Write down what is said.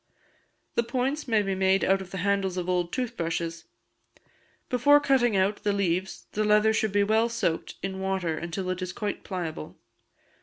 The points may be made out of the handles of old tooth brushes. Before cutting out the leaves the leather should be well soaked in water, until it is quite pliable.